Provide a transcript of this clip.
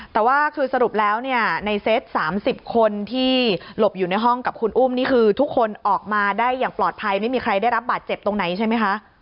แต่ว่าคือสรุปแล้วเนี่ยในเซต๓๐คนที่หลบอยู่ในห้องกับคุณอุ้มนี่คือทุกคนออกมาได้อย่างปลอดภัยไม่มีใครได้รับบาดเจ็บตรงไหนใช่ไหมคะ